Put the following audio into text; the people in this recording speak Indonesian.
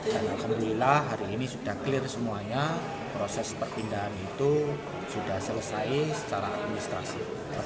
dan alhamdulillah hari ini sudah clear semuanya proses perpindahan itu sudah selesai secara administrasi